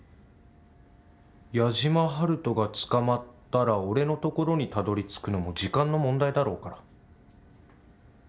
矢島ハルトが捕まったら俺のところにたどりつくのも時間の問題だろうから。